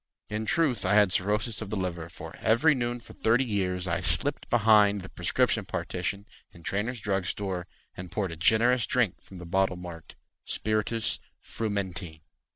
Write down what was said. In truth I had cirrhosis of the liver, For every noon for thirty years, I slipped behind the prescription partition In Trainor's drug store And poured a generous drink From the bottle marked "Spiritus frumenti."